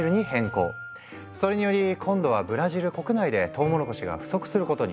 それにより今度はブラジル国内でトウモロコシが不足することに。